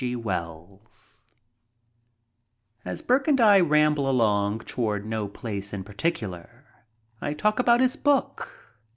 G. WELLS AS Burke and I ramble along toward no place in particular, I talk about his book.